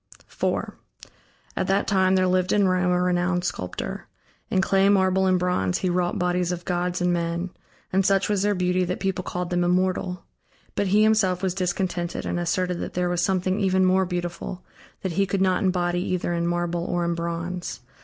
IV At that time there lived in Rome a renowned sculptor. In clay, marble, and bronze he wrought bodies of gods and men, and such was their beauty, that people called them immortal. But he himself was discontented and asserted that there was something even more beautiful, that he could not embody either in marble or in bronze.